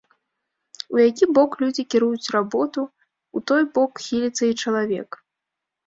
У які бок людзі кіруюць работу, у той бок хіліцца і чалавек.